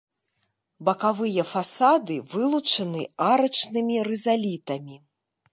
Бакавыя фасады вылучаны арачнымі рызалітамі.